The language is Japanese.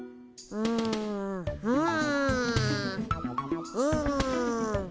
うんうん。